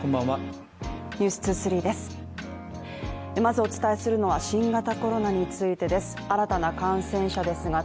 まずお伝えするのは新型コロナについてです。